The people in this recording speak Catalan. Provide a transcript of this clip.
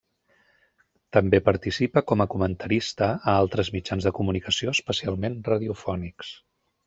També participa com a comentarista a altres mitjans de comunicació, especialment radiofònics.